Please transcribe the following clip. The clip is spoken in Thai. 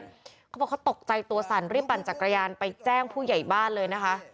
เขาบอกเขาตกใจตัวสั่นรีบปั่นจักรยานไปแจ้งผู้ใหญ่บ้านเลยนะคะ